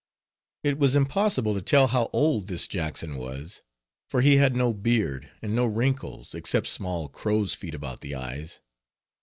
It was impossible to tell how old this Jackson was; for he had no beard, and no wrinkles, except small crowsfeet about the eyes.